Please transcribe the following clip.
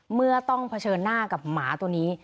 เมื่อต้องเผชิญหน้ากับหมาตัวนี้